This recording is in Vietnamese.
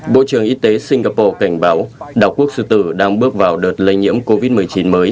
bộ trưởng y tế singapore cảnh báo đảo quốc sư tử đang bước vào đợt lây nhiễm covid một mươi chín mới